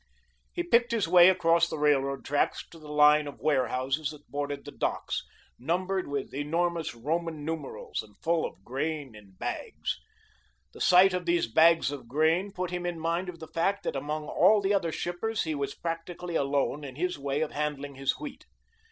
He picked his way across the railroad tracks to the line of warehouses that bordered the docks, numbered with enormous Roman numerals and full of grain in bags. The sight of these bags of grain put him in mind of the fact that among all the other shippers he was practically alone in his way of handling his wheat.